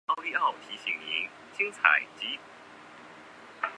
他曾获政府委任为市区重建局非执行董事及消费者委员会增选委员。